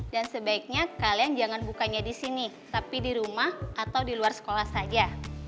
sebaiknya kalian jangan bukanya di sini tapi di rumah atau di luar sekolah saja